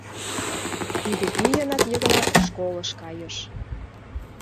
Тиде ийынак Йыгнат школыш кайыш.